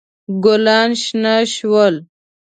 ګلان شنه شول.